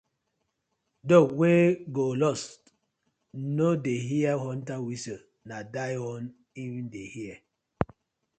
Dog wey go lost no dey hear hunter whistle na die own im dey hear.